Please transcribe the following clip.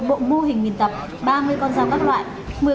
một bộ mô hình tập ba mươi con dao các loại